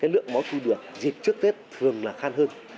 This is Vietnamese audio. lượng máu thu được dịp trước tết thường là khan hơn